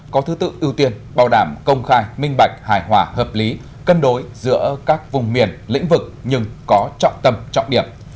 có thứ tự ưu tiên bảo đảm công khai minh bạch hài hòa hợp lý cân đối giữa các vùng miền lĩnh vực nhưng có trọng tâm trọng điểm